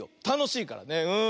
たのしいからね。